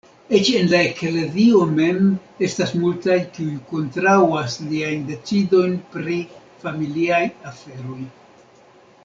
Eĉ en la eklezio mem estas multaj, kiuj kontraŭas liajn decidojn pri familiaj aferoj.